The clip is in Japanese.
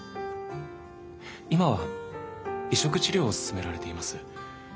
今は移植治療を勧められています。